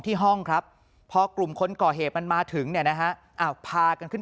ที่ห้องครับพอกลุ่มคนก่อเหตุมันมาถึงเนี่ยนะฮะอ้าวพากันขึ้น